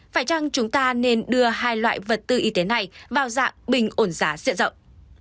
phải chăng chúng ta nên đưa hai loại vật tư y tế này vào dạng bình ổn giá diện rộng